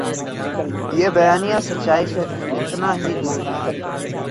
یہ بیانیہ سچائی سے اتنا ہی دور ہے۔